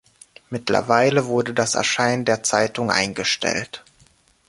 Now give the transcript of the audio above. Mittlerweile wurde das Erscheinen der Zeitung eingestellt.